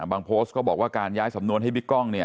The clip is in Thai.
อ่าบางโพสต์ก็บอกว่าการย้ายสำนวนให้บิ๊กกล้องเนี่ย